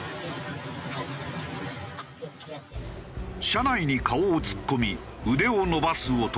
車内に顔を突っ込み腕を伸ばす男。